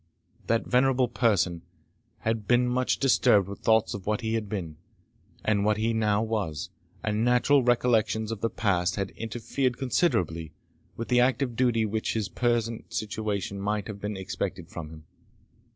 That venerable person had been much disturbed with thoughts of what he had been, and what he now was; and natural recollections of the past had interfered considerably with the active duty which in his present situation might have been expected from him.